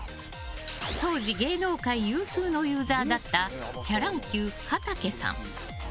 当時、芸能界有数のユーザーだったシャ乱Ｑはたけさん。